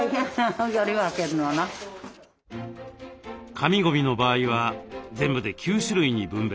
紙ゴミの場合は全部で９種類に分別。